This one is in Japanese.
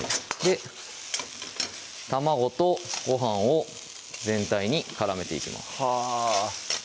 卵とご飯を全体に絡めていきます